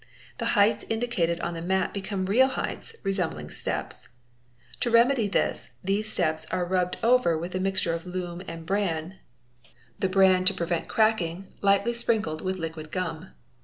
The heights indi. cated on the map become real heights, resembling steps. 'To re nedy this last, these steps are rubbed over with a mixture of loam and bre 1 i the bran to prevent cracking, lightly sprinkled with liquid gum.